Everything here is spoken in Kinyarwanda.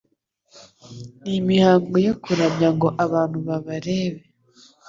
n'imihango yo kuramya ngo abantu babarebe